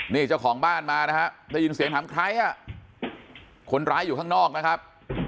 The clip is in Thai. นี่เจ้าของบ้านมานะฮะได้ยินเสียงถามใครอ่ะคนร้ายอยู่ข้างนอกนะครับ